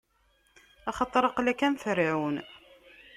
Axaṭer aql-ak am Ferɛun.